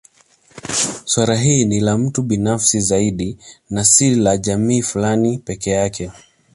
Suala hili ni la mtu binafsi zaidi na si la jamii fulani peke yake